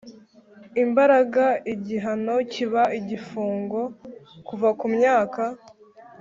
imbaraga igihano kiba igifungo kuva ku myaka